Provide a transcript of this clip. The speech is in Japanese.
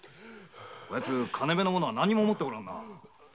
こやつ金目のものは何も持っておらんな。